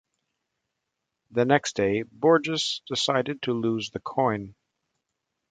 The next day, Borges decides to lose the coin.